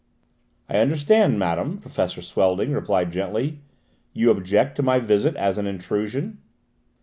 "I understand, madame," Professor Swelding replied gently. "You object to my visit as an intrusion?"